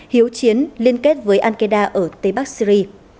hiếu chiến liên kết với al qaeda ở tây bắc syri